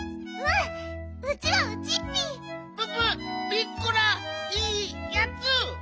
ピッコラいいやつ！